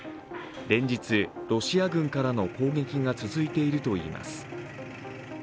連日、ロシア軍からの攻撃が続いているといいます。